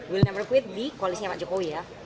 will never quit di koalisinya pak jokowi ya